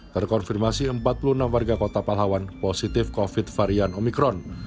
terkonfirmasi empat puluh enam warga kota palawan positif covid varian omikron